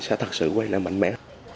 sẽ thật sự quay lại mạnh mẽ